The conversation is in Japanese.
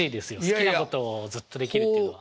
好きなことをずっとできるっていうの。